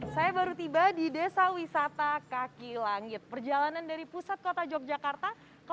saya baru tiba di desa wisata kaki langit perjalanan dari pusat kota yogyakarta ke